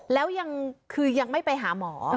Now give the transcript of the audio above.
แล้วยังคือยังไม่ไปหาหมอ